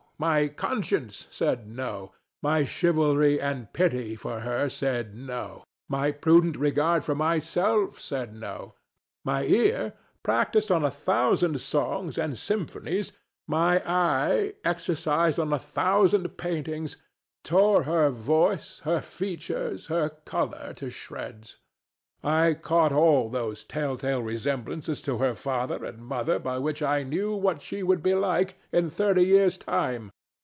My conscience said No. My chivalry and pity for her said No. My prudent regard for myself said No. My ear, practised on a thousand songs and symphonies; my eye, exercised on a thousand paintings; tore her voice, her features, her color to shreds. I caught all those tell tale resemblances to her father and mother by which I knew what she would be like in thirty years time.